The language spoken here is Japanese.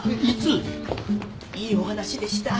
いいお話でした。